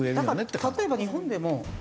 だから例えば日本でも。